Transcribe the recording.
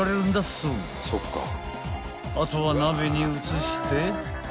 ［あとは鍋に移して］